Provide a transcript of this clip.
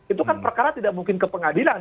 itu kan perkara tidak mungkin ke pengadilan